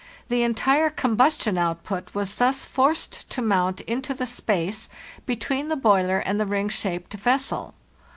The entire combustion output was thus forced to mount into the space between the boiler and the ring shaped vessel.